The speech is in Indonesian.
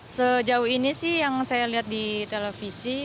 sejauh ini sih yang saya lihat di televisi